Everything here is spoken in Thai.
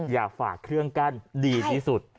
อย่าฝากเครื่องกั้นดีที่สุด